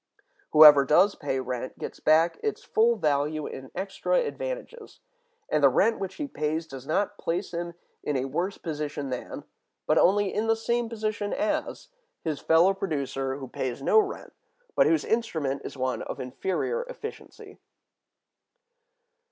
Whoever does pay rent gets back its full value in extra advantages, and the rent which he pays does not place him in a worse position than, but only in the same position as, his fellow producer who pays no rent, but whose instrument is one of inferior efficiency.